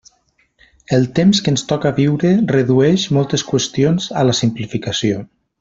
El temps que ens toca viure redueix moltes qüestions a la simplificació.